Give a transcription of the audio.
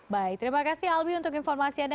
baik terima kasih albi untuk informasi anda